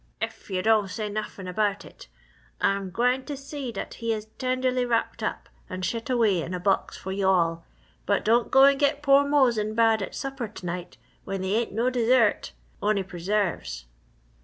"Ef yo' don' say nuffin about it! Ah'm gwine t' see dat he is tenderly wrapped up an' shet away in a box fo' you' all. But don' go an' get Pore Mose in bad at supper t'night when they ain't no dessert onny preserves!"